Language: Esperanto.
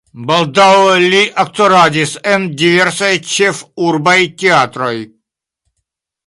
Baldaŭe li aktoradis en diversaj ĉefurbaj teatroj.